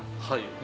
はい。